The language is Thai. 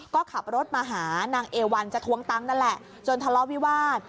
ก็ขับรถมาหานางเอวันจะทวงตังค์นั่นแหละจนทะเลาะวิวาส